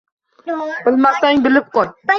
Bilmasang, bilib qo`y